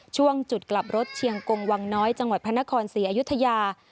ช่วงจุดกลับรถเชียงกงวังน้อยจังหวัดพระนครศรีอยุธยา